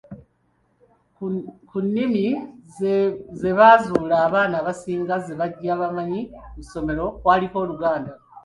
Ku nnimi ze baazuula abaana abasinga ze bajja bamanyi ku ssomero kwaliko Oluganda.